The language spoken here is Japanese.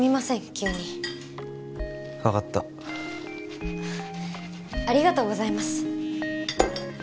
急にわかったありがとうございます